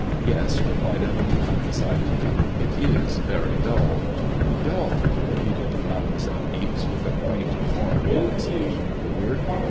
" Yes," replied Evelyn, un decidedly, " it is very dull." *'Dull," repeated Mademoiselle Ixe, with a quaint, foreign pro nunciation of the word.